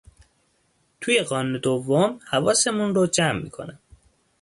توی قانون دوم، حواسمون رو جمع میکنه